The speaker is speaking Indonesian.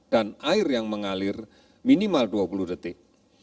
dan air yang mengalir minimal dua puluh detik